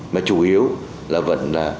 mà chủ yếu là vẫn là